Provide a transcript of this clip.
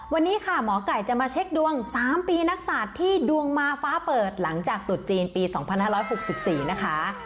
วันนี้ค่ะหมอไก่จะมาเช็คดวง๓ปีนักศาสตร์ที่ดวงมาฟ้าเปิดหลังจากตุดจีนปี๒๕๖๔นะคะ